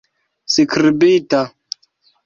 skribita